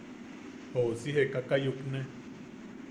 Ousi jekaka yukne.